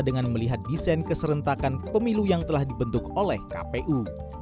dengan melihat desain keserentakan pemilu yang telah dibentuk oleh kpu